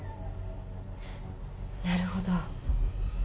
なるほど